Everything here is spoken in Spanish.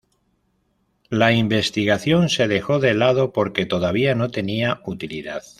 La investigación se dejó de lado porque todavía no tenía utilidad.